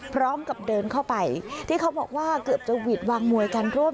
พร้อมกับเดินเข้าไปที่เขาบอกว่าเกือบจะหวิดวางมวยกันร่วม